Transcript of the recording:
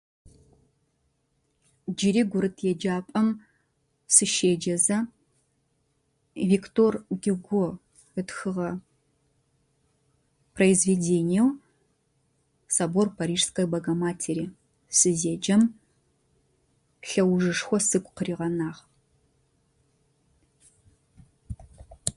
Джыри гурыт еджапӀэм сыщеджэзэ, Виктор Гюго ытхыгъэ произведениеу Собор Парижской Богоматери сызеджэм лъэужышхо сыгу къыригъэнагъ.